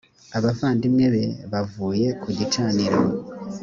abavandimwe be bavuye ku gicaniro